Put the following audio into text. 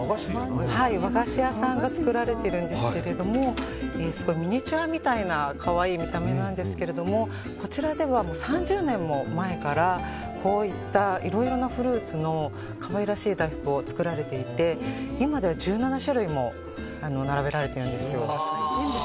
和菓子屋さんが作られてるんですがミニチュアみたいな可愛い見た目なんですけれどもこちらでは３０年も前からこういったいろいろなフルーツの可愛らしい大福を作られていて今では１７種類も並べられているんですよ。